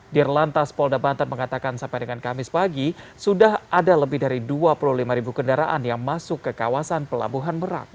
dirlantas polda banten mengatakan sampai dengan kamis pagi sudah ada lebih dari dua puluh lima ribu kendaraan yang masuk ke kawasan pelabuhan merak